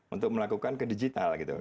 untuk melakukan ke digital gitu